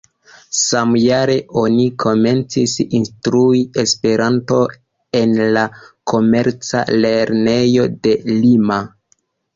Samjare oni komencis instrui E-on en la Komerca lernejo de Lima.